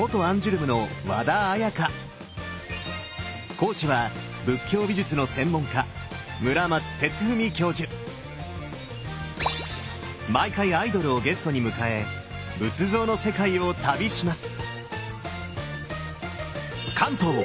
講師は仏教美術の専門家毎回アイドルをゲストに迎え仏像の世界を旅します！